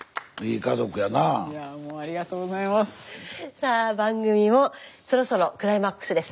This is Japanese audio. さあ番組もそろそろクライマックスです。